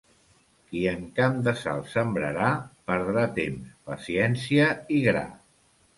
Qui en camp de sal sembrarà perdrà temps, paciència i gra.